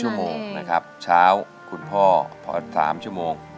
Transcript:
ชั่วโมงนะครับเช้าคุณพ่อพอ๓ชั่วโมง